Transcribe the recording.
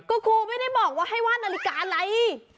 ก็ครูไม่ได้บอกว่าให้ว่านนาฬิกาอะไร